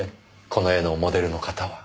この絵のモデルの方は。